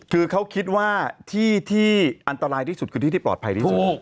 คือเขาคิดว่าที่ที่อันตรายที่สุดคือที่ที่ปลอดภัยที่สุด